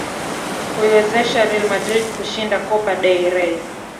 kuiwezesha Real Madrid kushinda Copa Del rey